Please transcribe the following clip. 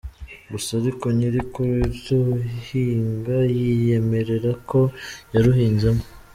Gusa ariko nyiri kuruhinga yiyemerera ko yaruhinzemo.